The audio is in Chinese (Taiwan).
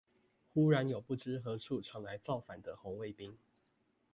忽然有不知何處闖來造反的紅衛兵